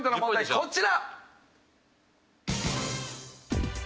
こちら。